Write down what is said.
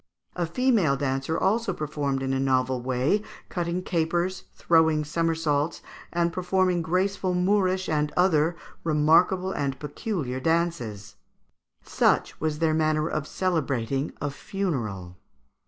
A female dancer also performed in a novel way, cutting capers, throwing somersaults, and performing graceful Moorish and other remarkable and peculiar dances." Such was their manner of celebrating a funeral.